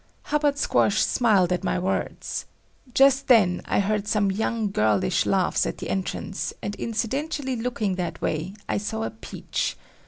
Hubbard Squash smiled at my words. Just then I heard some young girlish laughs at the entrance, and incidentally looking that way, I saw a "peach."